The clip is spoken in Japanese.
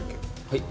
はい。